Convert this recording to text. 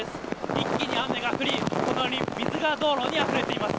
一気に雨が降り、水が道路にあふれています。